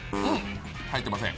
入ってません。